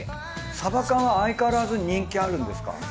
サバ缶は相変わらず人気あるんですか？